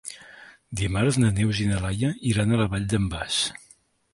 Dimarts na Neus i na Laia iran a la Vall d'en Bas.